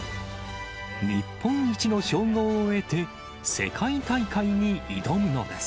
日本一の称号を得て、世界大会に挑むのです。